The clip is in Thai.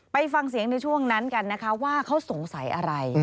ไปฟังเสียงในช่วงนั้นกันนะคะว่าเขาสงสัยอะไร